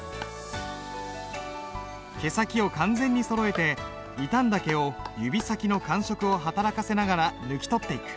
毛先を完全にそろえて傷んだ毛を指先の感触を働かせながら抜き取っていく。